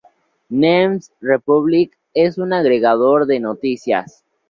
News Republic es un agregador de noticias.